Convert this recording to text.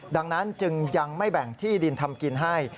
ดังนั้นจึงยังไม่แบ่งที่ดินทำกินให้